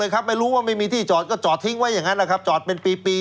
ก็จอดทิ้งไว้อย่างนั้นนะครับจอดเป็นปี